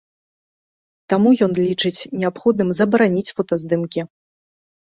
Таму ён лічыць неабходным забараніць фотаздымкі.